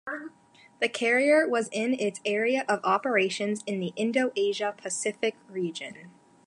The carrier was in its area of operations in the Indo-Asia-Pacific region.